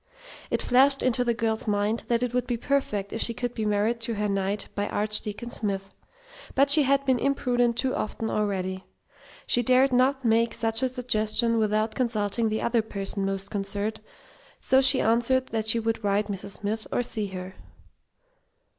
It flashed into the girl's mind that it would be perfect if she could be married to her knight by Archdeacon Smith; but she had been imprudent too often already. She dared not make such a suggestion without consulting the other person most concerned, so she answered that she would write Mrs. Smith or see her.